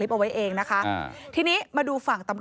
ผมวิ่งขวาคุณเขียนใบสั่งมาสิ